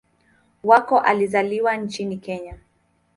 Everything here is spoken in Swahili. Wako alizaliwa nchini Kenya.